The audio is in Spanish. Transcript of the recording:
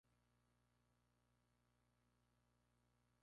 La corteza está muy adherida a la pulpa.